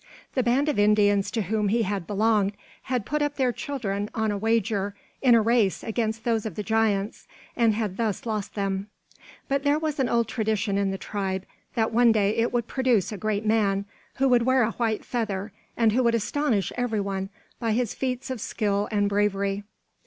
The band of Indians to whom he had belonged had put up their children on a wager in a race against those of the giants, and had thus lost them. But there was an old tradition in the tribe, that one day it would produce a great man, who would wear a white feather, and who would astonish every one by his feats of skill and bravery.